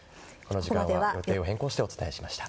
この時間は予定を変更してお伝えしました。